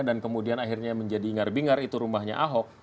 dan kemudian akhirnya menjadi ingar bingar itu rumahnya ahok